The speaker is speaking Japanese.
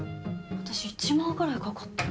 私１万ぐらいかかってる。